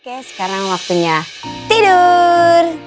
oke sekarang waktunya tidur